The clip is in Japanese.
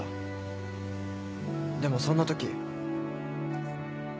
でもそんなとき。